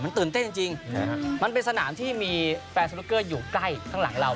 มันตื่นเต้นจริงจริงนะครับมันเป็นสนามที่มีอยู่ใกล้ข้างหลังเรา